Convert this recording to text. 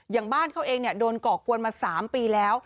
อย่างบ้านเขาเองโดนก่อกวนมา๓ปีแล้ว